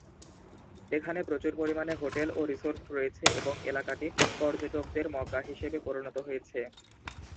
এখানে প্রচুর পরিমাণে হোটেল ও রিসোর্ট রয়েছে এবং এলাকাটি পর্যটকদের মক্কা হিসেবে পরিণত হয়েছে।